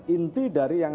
inti dari yang